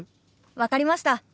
分かりました。